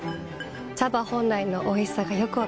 茶葉本来のおいしさがよく分かります。